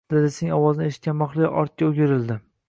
Dadasining ovozini eshitgan Mahliyo ortiga o`girildi